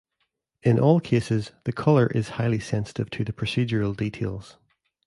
In all cases, the color is highly sensitive to the procedural details.